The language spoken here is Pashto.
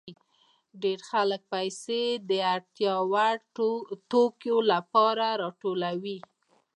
ډېر خلک پیسې د اړتیا وړ توکو لپاره راټولوي